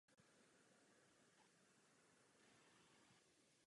Tramvaje nemají jednotný nátěr.